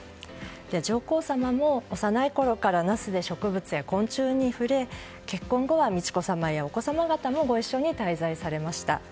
上皇さまも幼いころから那須で植物や昆虫に触れ結婚後は美智子さまやお子様方もご一緒に滞在されました。